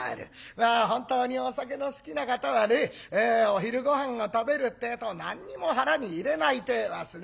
まあ本当にお酒の好きな方はねお昼ごはんを食べるってえと何も腹に入れないてえ言いますね。